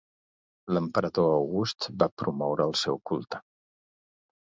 L'emperador August va promoure el seu culte.